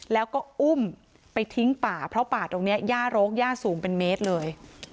แล้วก็อุ้มไปทิ้งป่าเพราะป่าตรงนี้ย่าโรคย่าสูงเป็นเมตรเลย